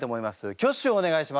挙手をお願いします。